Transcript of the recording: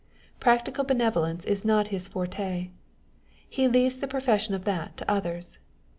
Practical benevolence is not his forte. He leaves the profession of that to others.